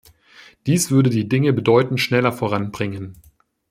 Dies würde die Dinge bedeutend schneller voranbringen.